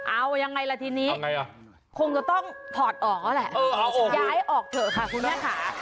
เอายังไงล่ะทีนี้คงจะต้องถอดออกแล้วแหละย้ายออกเถอะค่ะคุณแม่ค่ะ